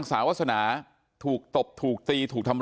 นางมอนก็บอกว่า